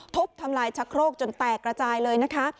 ทุบทำลายชะโครกจนแตกระจายเลยนะคะ